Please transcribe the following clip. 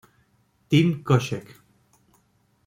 Team Koscheck.